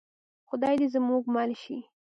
خدای دې زموږ مل شي؟